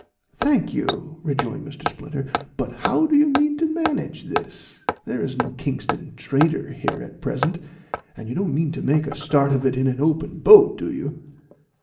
"Thank you," rejoined Mr. Splinter; "but how do you mean to manage this? There is no Kingston trader here at present, and you don't mean to make a start of it in an open boat, do you?"